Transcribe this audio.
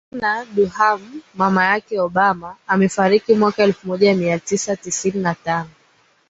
Ann Dunham mama yake Obama amefariki mwaka elfu moja mia tisa tisini na tano